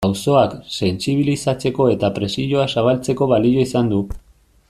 Auzoak sentsibilizatzeko eta presioa zabaltzeko balio izan du.